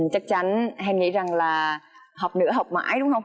chắc chắn hèn nghĩ rằng là học nửa học mãi đúng không